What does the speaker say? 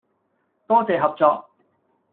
多謝合作